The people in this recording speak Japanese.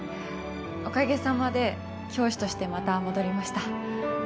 おかげさまで教師としてまた戻りました